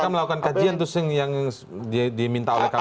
mereka melakukan kajian tuh yang diminta oleh kpk